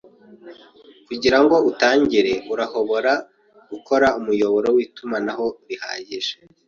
Kugirango utangire, urahobora gukora umuyoboro witumanaho rihagije